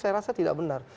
saya rasa tidak benar